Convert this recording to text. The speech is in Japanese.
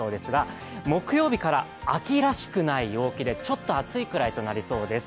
木曜日から秋らしくない陽気でちょっと暑いくらいとなりそうです。